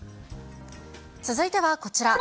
続いてはこちら。